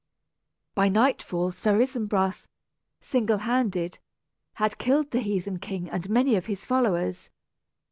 By nightfall Sir Isumbras, single handed, had killed the heathen king and many of his followers.